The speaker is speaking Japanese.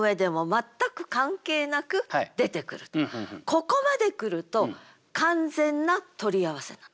ここまで来ると完全な取り合わせなの。